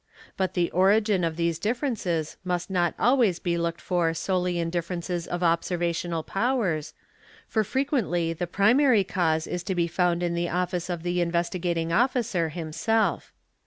But the origin of these differences must not always be looked for solely in differences of observational powers, for ied the primary cause is to be found in the office of the Investi pet 3; a Officer himself.